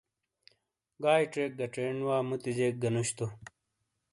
گائیے چیک گہ چینڈ وا مُتی جیک گہ نُش تو۔